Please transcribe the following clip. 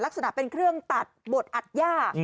ลักษณะเป็นเครื่องตัดบดอัดย่า